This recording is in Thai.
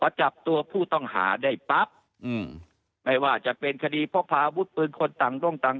พอจับตัวผู้ต้องหาได้ปั๊บอืมไม่ว่าจะเป็นคดีพกพาอาวุธปืนคนต่างด้งต่าง